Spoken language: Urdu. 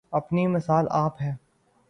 اپنی مثال آپ ہے